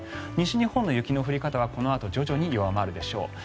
西日本の雪の降り方はこのあと徐々に弱まるでしょう。